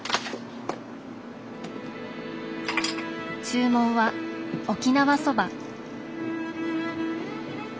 注文は沖縄そば。